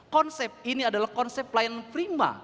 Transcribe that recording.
konsep ini adalah konsep pelayanan prima